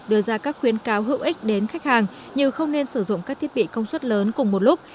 đưa ra các khuyến cáo hữu ích đến khách hàng như không nên sử dụng các thiết bị công suất lớn cùng một lúc